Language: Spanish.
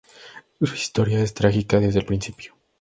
Su historia es trágica desde el principio.